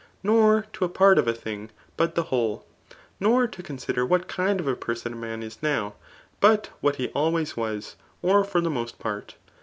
Nor to a part of a thing but the whole. Nor to consider what kind of a person a man is now, but what he always was, or for the most part.